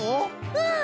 うん！